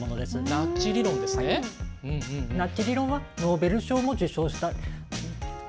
ナッジ理論はノーベル賞も受賞した理論です。